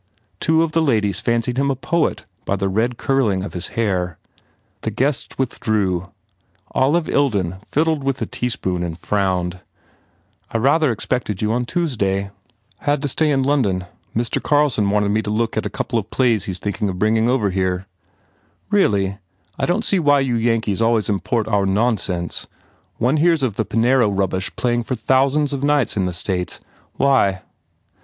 Two of the ladies fancied him a poet by the red curling of his hair. The guests with drew. Olive Ilden fiddled with a teaspoon and frowned. 30 H E PROGRESSES "I rather expected you on Tuesday." "Had to stay in London. Mr. Carlson wanted me to look at a couple of plays he s think in 1 of bringing over." "Really, I don t see why you Yankees always import our nonsense. One hears of the Pinero rubbish playing for thousands of nights in the States. Why?"